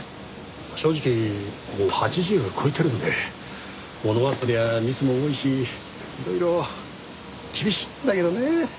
正直もう８０超えてるんで物忘れやミスも多いしいろいろ厳しいんだけどね。